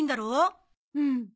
うん。